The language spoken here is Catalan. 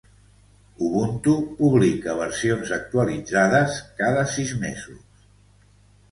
Ubuntu publica versions actualitzades cada sis mesos